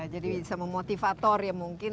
jadi bisa memotivator ya mungkin